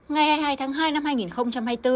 ngày hai mươi hai tháng hai năm hai nghìn hai mươi bốn